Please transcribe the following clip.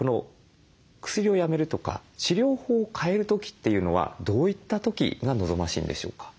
薬をやめるとか治療法を変える時というのはどういった時が望ましいんでしょうか？